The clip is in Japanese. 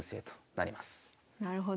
なるほど。